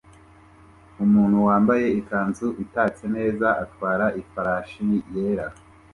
Umuntu wambaye ikanzu itatse neza atwara ifarashi yera